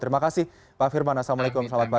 terima kasih pak firman assalamualaikum selamat malam